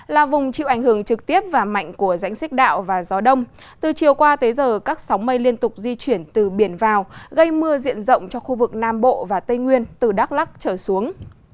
là vùng chịu ảnh hưởng trực tiếp và mạnh của rãnh xích đạo và gió đông từ chiều qua tới giờ các sóng mây liên tục di chuyển từ biển vào gây mưa diện rộng cho khu vực nam bộ và tây nguyên từ đắk lắc trở xuống